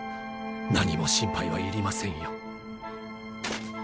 何も心配は要りませんよ。